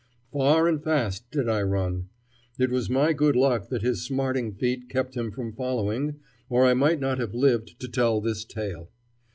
Far and fast did I run. It was my good luck that his smarting feet kept him from following, or I might not have lived to tell this tale.